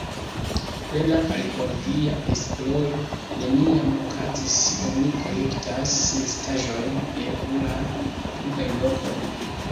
Plena arkeologia esploro neniam okazis, oni konjektas restaĵojn en pluraj apudaj lokoj.